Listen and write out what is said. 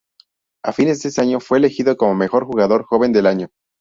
A fines de ese año fue elegido como mejor jugador joven del año.